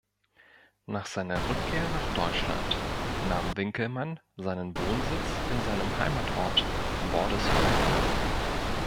Nach seiner Rückkehr nach Deutschland nahm Winkelmann seinen Wohnsitz in seinem Heimatort Bordesholm.